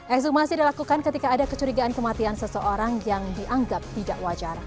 ekshumasi dilakukan ketika ada kecurigaan kematian seseorang yang dianggap tidak wajar